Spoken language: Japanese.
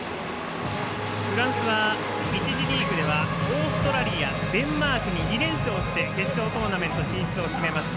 フランスは１次リーグではオーストラリア、デンマークに２連勝して決勝トーナメント進出を決めました。